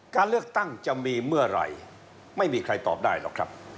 การเลือกตั้งจะมีเมื่อไหร่ไม่มีใครตอบได้หรอกครับ